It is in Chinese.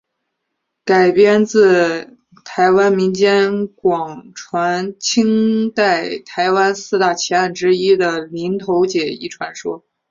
改编自台湾民间广传清代台湾四大奇案之一的林投姐一传说。